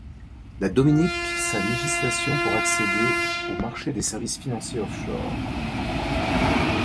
La Dominique sa législation pour accéder au marché des services financiers off-shore.